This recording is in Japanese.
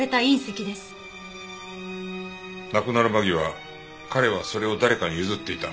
亡くなる間際彼はそれを誰かに譲っていた。